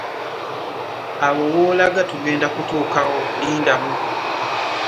Awo w'olaga tugenda kutuukawo lindamu.